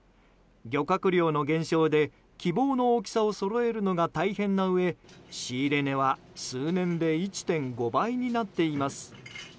漁獲量の減少で、希望の大きさをそろえるのが大変なうえ仕入れ値は数年で１．５倍になっています。